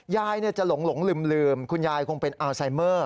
ยายจะหลงลืมคุณยายคงเป็นอัลไซเมอร์